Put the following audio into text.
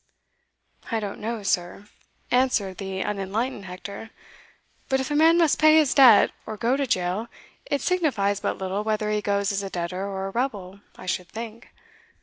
"I don't know, sir," answered the unenlightened Hector; "but if a man must pay his debt or go to jail, it signifies but little whether he goes as a debtor or a rebel, I should think.